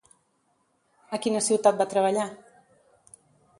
A quina ciutat va treballar?